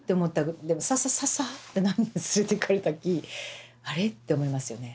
でもササササってなんか連れていかれたきあれ？って思いますよね。